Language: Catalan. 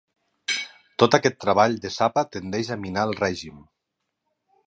Tot aquest treball de sapa tendeix a minar el règim.